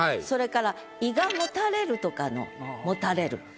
それから胃がもたれるとかのもたれる。